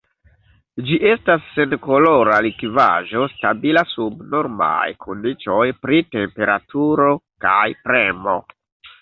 Ĝi estas senkolora likvaĵo stabila sub normaj kondiĉoj pri temperaturo kaj premo.